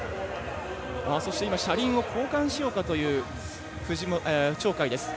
車輪を交換しようかという鳥海です。